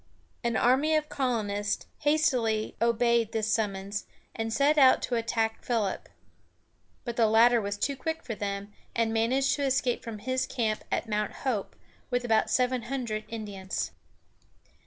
An army of colonists hastily obeyed this summons, and set out to attack Philip. But the latter was too quick for them, and managed to escape from his camp at Mount Hope, with about seven hundred Indians.